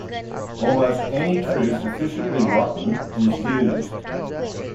Almost any tree sufficiently rotten is used.